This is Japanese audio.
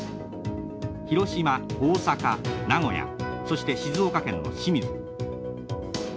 広島大阪名古屋そして静岡県の清水。